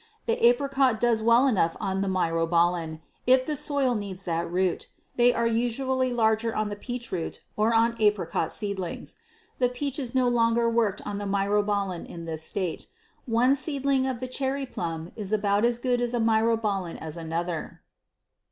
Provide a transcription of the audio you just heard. The apricot does well enough on the myrobalan if the soil needs that root; they are usually larger on the peach root or on apricot seedlings. The peach is no longer worked on the myrobalan in this State. One seedling of the cherry plum is about as good a myrobalan as another.